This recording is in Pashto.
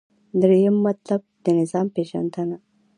دریم مطلب : د نظام پیژندنه